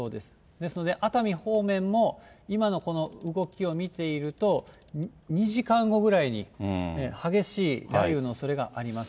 ですので、熱海方面も今のこの動きを見ていると、２時間後ぐらいに激しい雷雨のおそれがあります。